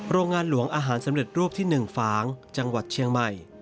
โรงงานหลวงอาหารสำเร็จรูปที่๑ฝางจังหวัดเชียงใหม่